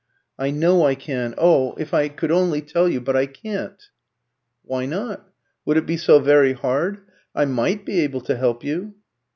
"I know I can. Oh, if I could only tell you! But I can't." "Why not? Would it be so very hard? I might be able to help you."